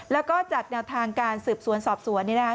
แล้วก็จากแนวทางการสืบสวนสอบสวนนี่นะคะ